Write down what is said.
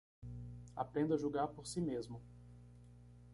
Aprenda a julgar por si mesmo